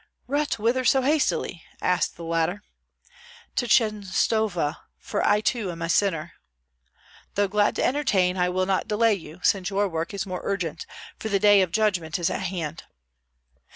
"But whither so hastily?" asked the latter. "To Chenstohova, for I too am a sinner!" "Though glad to entertain, I will not delay you, since your work is more urgent, for the day of judgment is at hand."